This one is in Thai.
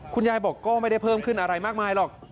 คุณยายบอกก็ไม่ได้เพิ่มขึ้นอะไรมากมายหรอก